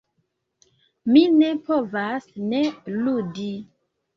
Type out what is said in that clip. Mi ne povas ne ludi.